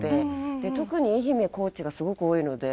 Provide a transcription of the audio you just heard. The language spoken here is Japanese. で特に愛媛高知がすごく多いので。